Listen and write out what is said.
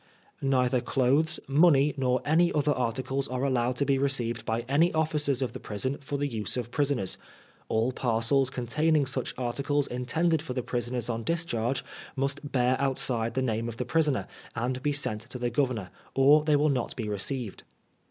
Neither clothes, money, nor any other articles, are allowed to be received by any Officers of the Prison for the use of Prisoners ; all parcels containing such articles intended for Prisoners on discharge must b^ outside the name of the Prisoner, and be sent to the Governor, or they will not be re ceived.